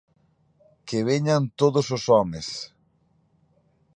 Que veñan todos os homes!